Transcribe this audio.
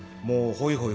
ほいほい